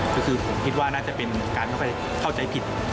ก็คือผมคิดว่าน่าจะเป็นการเข้าไปเข้าใจผิด